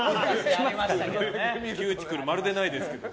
キューティクルまるでないですけど。